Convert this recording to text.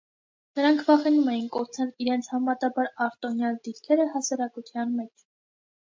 Նրանք վախենում էին կորցնել իրենց համեմատաբար արտոնյալ դիրքերը հասարակության մեջ։